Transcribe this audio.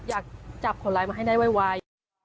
อยากจับคนร้ายมาให้ได้ไว